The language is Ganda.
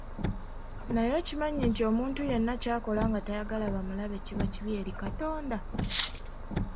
Naye okimanyi nti omuntu yenna ky'akola nga tayagala bamulabe kiba kibi eri Katonda?